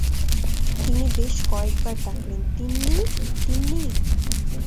তিনি বেশ কয়েক বার ডাকলেন, তিন্নি তিন্নি।